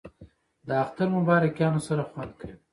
د اختر مبارکیانو سره خوند کوي